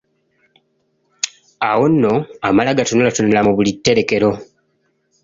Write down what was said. Awo nno amala gatunulatunula mu buli tterekero.